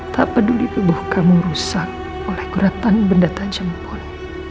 tak peduli tubuh kamu rusak oleh geratan benda tajam pun